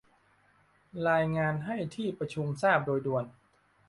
รายงานให้ที่ประชุมทราบโดยด่วน